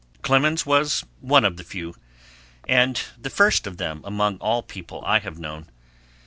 Clemens was one of the few, and the first of them among all the people I have known.